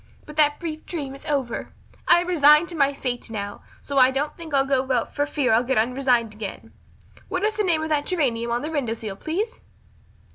But that brief dream is over. I am resigned to my fate now, so I don't think I'll go out for fear I'll get unresigned again. What is the name of that geranium on the window sill, please?"